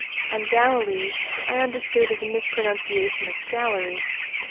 And "Galilee" I understood as a mispronunciation of "gallery."